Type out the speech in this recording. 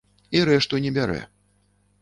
І рэшту не бярэ.